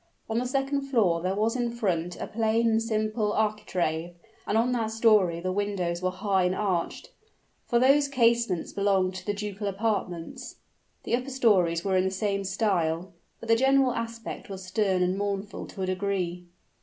On the second floor there was in front a plain and simple architrave, and on that story the windows were high and arched; for those casements belonged to the ducal apartments. The upper stories were in the same style; but the general aspect was stern and mournful to a degree.